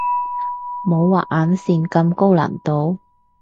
冇畫眼線咁高難度